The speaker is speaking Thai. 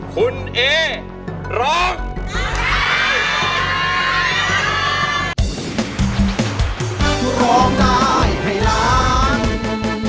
คุณเอร้อง